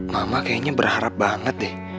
mama kayaknya berharap banget deh